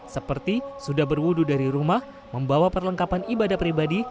seperti sudah berwudu dari rumah membawa perlengkapan ibadah pribadi